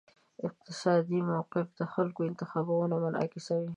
اقتصادي موقف د خلکو انتخابونه منعکسوي.